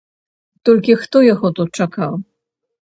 Толькі хто яго тут чакаў?